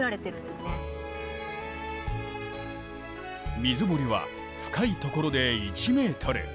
水堀は深いところで１ｍ。